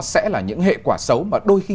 sẽ là những hệ quả xấu mà đôi khi